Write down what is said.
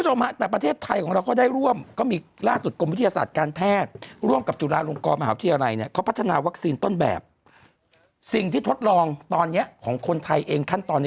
เหมือนเราดูในหนังเห็นไหมนะ